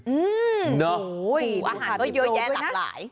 อืมเนอะอาหารก็เยอะแยะหลากหลาย